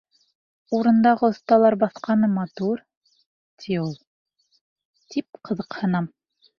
— Урындағы оҫталар баҫҡаны матур, — ти ул. — тип ҡыҙыҡһынам.